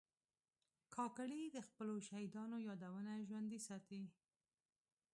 کاکړي د خپلو شهیدانو یادونه ژوندي ساتي.